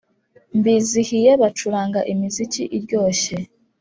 Mbizihiye bacuranga imiziki iryoshye